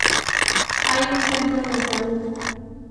Hay un centro de salud.